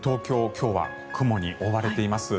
今日は雲に覆われています。